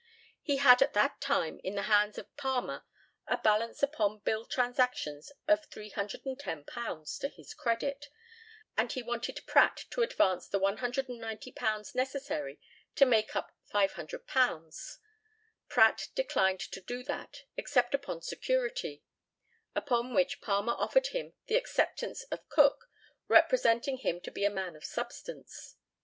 He had at that time in the hands of Palmer a balance upon bill transactions of £310 to his credit, and he wanted Pratt to advance the £190 necessary to make up £500. Pratt declined to do that, except upon security; upon which Palmer offered him the acceptance of Cook, representing him to be a man of substance.